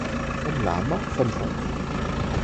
Vom Lama, von Gott?